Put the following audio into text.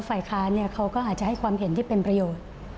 ฝ่ายค้านเขาก็อาจจะให้ความเห็นที่เป็นประโยชน์